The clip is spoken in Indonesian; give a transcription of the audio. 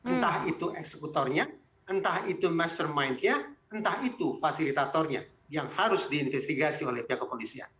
entah itu eksekutornya entah itu mastermindnya entah itu fasilitatornya yang harus diinvestigasi oleh pihak kepolisian